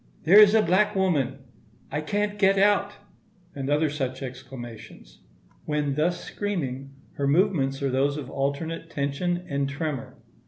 "There is a black woman!" "I can't get out!"—and other such exclamations. When thus screaming, her movements are those of alternate tension and tremor.